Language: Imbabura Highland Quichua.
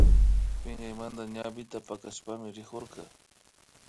Pinkaymanta ñawita pakashpami rikurka